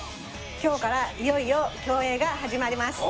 今日からいよいよ競泳が始まります。